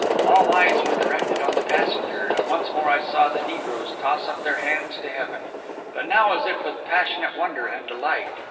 All eyes were directed on the passenger; and once more I saw the negroes toss up their hands to heaven, but now as if with passionate wonder and delight.